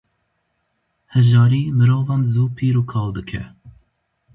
Hejarî mirovan zû pîr û kal dike.